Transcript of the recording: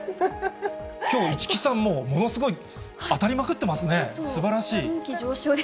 きょう、市來さん、もう、ものすごい当たりまくってますね。